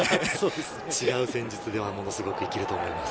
違う戦術では、ものすごく生きると思います。